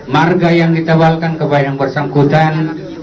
marga yang ditebalkan ke bayang bersangkutan